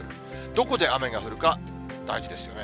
どこで雨が降るか、大事ですよね。